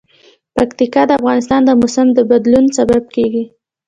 پکتیکا د افغانستان د موسم د بدلون سبب کېږي.